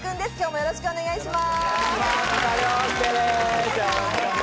よろしくお願いします。